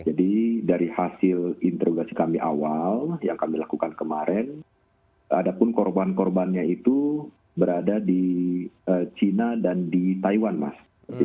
jadi hasil interogasi kami awal yang kami lakukan kemarin ada pun korban korbannya itu berada di china dan di taiwan mas